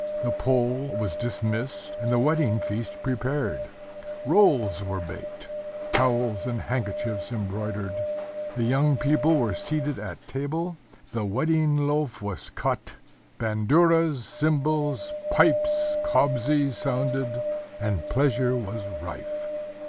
The Pole was dismissed, and the wedding feast prepared; rolls were baked, towels and handkerchiefs embroidered; the young people were seated at table; the wedding loaf was cut; banduras, cymbals, pipes, kobzi, sounded, and pleasure was rife